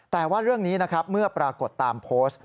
แต่ว่าเรื่องนี้นะครับเมื่อปรากฏตามโพสต์